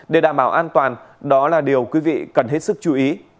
để đảm bảo an toàn đó là điều quý vị cần hết sức chú ý